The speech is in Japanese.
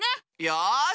よし。